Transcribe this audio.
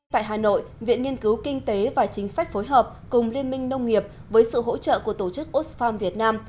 tại hà nội viện nghiên cứu kinh tế và chính sách phối hợp cùng liên minh nông nghiệp với sự hỗ trợ của tổ chức osfarm việt nam